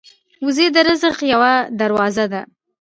وزې د رزق یوه دروازه ده